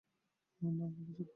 আমি না বললে চুপ করে থাকবে।